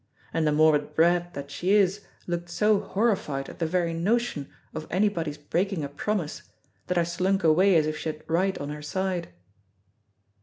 and the morbid brat that she is looked so horrified at the very notion of anybody's breaking a promise that I slunk away as if she had right on her side."